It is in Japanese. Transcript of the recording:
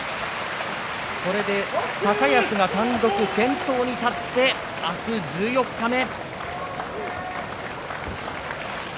これで高安が単独先頭に立って明日、十四日目。